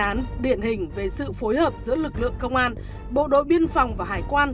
đây là truyền hình về sự phối hợp giữa lực lượng công an bộ đội biên phòng và hải quan